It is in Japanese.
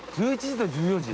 １１時と１４時。